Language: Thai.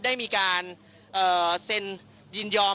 ได้มีการเซ็นยินยอม